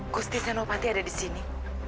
kusti senopati ada di sini